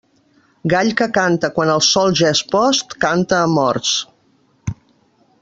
Gall que canta quan el sol ja és post, canta a morts.